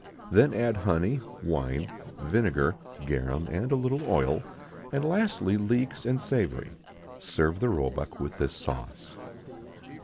Then add honey, wine, vinegar, garum, and a little oil; and, lastly, leeks and savory. Serve the roebuck with this sauce.